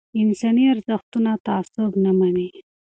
انساني ارزښتونه تعصب نه مني